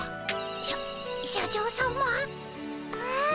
しゃ社長さま。わ。